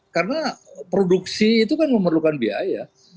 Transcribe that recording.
karena produksi itu kan memerlukan biaya